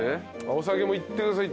お酒行ってください